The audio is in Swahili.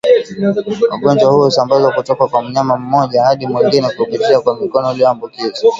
Ugonjwa huu husambazwa kutoka kwa mnyama mmoja hadi mwingine kupitia kwa mikono iliyoambukizwa